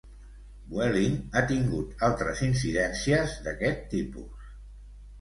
Vueling ha tingut altres incidències d'aquest tipus.